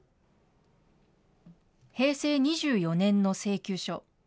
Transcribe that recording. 平成２４年の請求書。